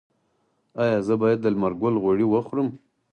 ایا زه باید د لمر ګل غوړي وخورم؟